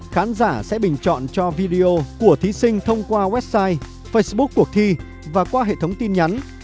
khán giả sẽ bình chọn cho video của thí sinh thông qua website facebook cuộc thi và qua hệ thống tin nhắn